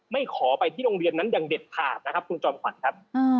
ขอไปที่โรงเรียนนั้นอย่างเด็ดขาดนะครับคุณจอมขวัญครับ